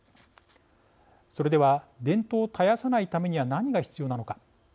それでは伝統を絶やさないためには何が必要なのか。